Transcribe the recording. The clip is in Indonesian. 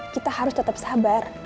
kita harus tetap sabar